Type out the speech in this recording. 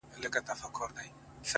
• قلا د مېړنو ده څوک به ځي څوک به راځي,